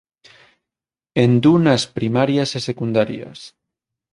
En dunas primarias e secundarias.